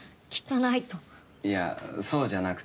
いやそうじゃなくて。